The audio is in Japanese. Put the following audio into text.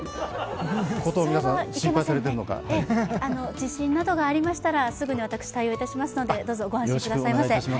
地震などがありましたら、すぐに私対応いたしますのでどうぞご安心くださいませ。